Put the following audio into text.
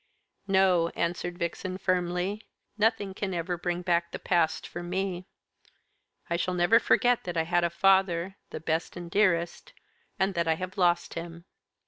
"No," answered Vixen firmly. "Nothing can ever bring the past back for me. I shall never forget that I had a father the best and dearest and that I have lost him."